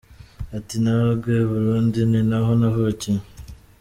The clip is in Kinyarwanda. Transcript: Ati “Nabaga i Burundi ni naho navukiye.